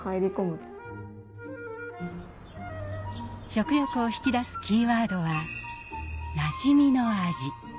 食欲を引き出すキーワードは「なじみの味」。